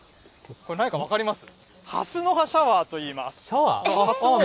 何か分かります？